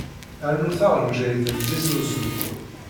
Rnu taɣenjayt n zzit n uzemmur.